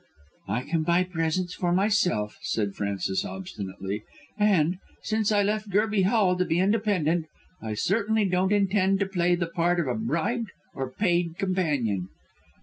"I can buy presents for myself," said Frances obstinately, "and, since I left Gerby Hall to be independent, I certainly don't intend to play the part of a bribed or paid companion."